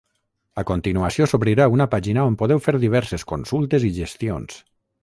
A continuació, s’obrirà una pàgina on podreu fer diverses consultes i gestions.